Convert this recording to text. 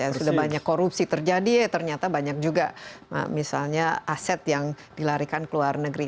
sudah banyak korupsi terjadi ternyata banyak juga misalnya aset yang dilarikan ke luar negeri